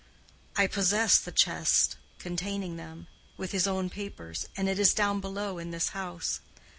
I possess the chest containing them, with his own papers, and it is down below in this house.